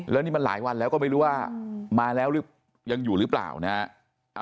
แล้วนี่มันหลายวันแล้วก็ไม่รู้ว่ามาแล้วหรือยังอยู่หรือเปล่านะฮะ